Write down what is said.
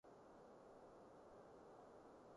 非法入境者將會被遣返